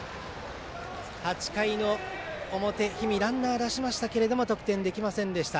８回の表、氷見ランナー出しましたけれども得点できませんでした。